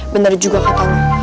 bener juga katanya